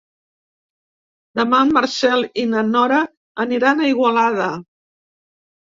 Demà en Marcel i na Nora aniran a Igualada.